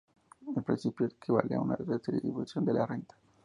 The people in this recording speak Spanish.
El principio equivale a una redistribución de la renta.